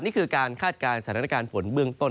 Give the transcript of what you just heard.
นี่คือการคาดการณ์สถานการณ์ฝนเบื้องต้น